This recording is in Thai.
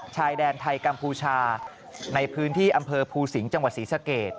ชายแดนไทยกัมพูชาในพื้นที่อำเภอภูสิงห์จังหวัดศรีสะเกด